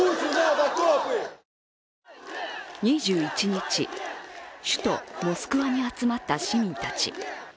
２１日、首都モスクワに集まった市民たち。